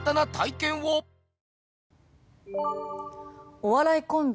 お笑いコンビ